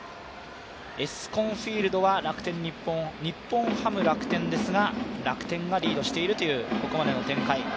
ＥＳＣＯＮＦＩＥＬＤは日本ハム×楽天ですが楽天がリードしているというここまでの展開。